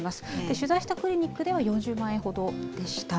取材したクリニックでは、４０万円ほどでした。